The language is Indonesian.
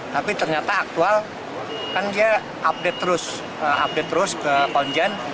tapi ternyata aktual kan dia update terus update terus ke konjen